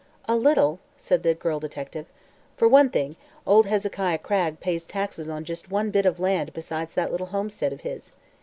"A little," said the girl detective. "For one thing, old Hezekiah Cragg pays taxes on just one bit of land besides that little homestead of his.